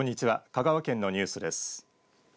香川県のニュースです。